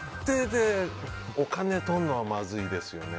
でお金、取るのはまずいですよね。